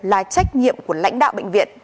là trách nhiệm của lãnh đạo bệnh viện